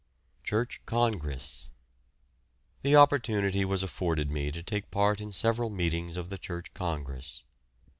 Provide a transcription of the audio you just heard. CHURCH CONGRESS. The opportunity was afforded me to take part in several meetings of the Church Congress.